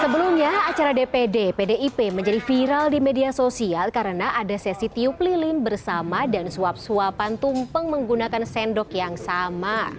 sebelumnya acara dpd pdip menjadi viral di media sosial karena ada sesi tiup lilin bersama dan suap suapan tumpeng menggunakan sendok yang sama